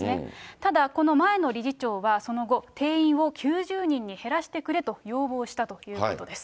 ただ、この前の理事長はその後、定員を９０人に減らしてくれと要望したということです。